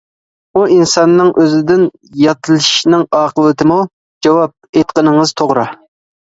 ئۇ ئىنساننىڭ ئۆزىدىن ياتلىشىشنىڭ ئاقىۋىتىمۇ؟ جاۋاب:ئېيتقىنىڭىز توغرا.